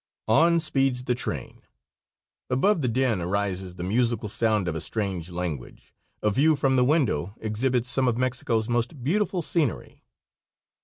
On speeds the train. Above the din arises the musical sound of a strange language. A view from the window exhibits some of Mexico's most beautiful scenery.